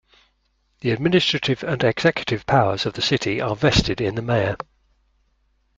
The administrative and executive powers of the city are vested in the mayor.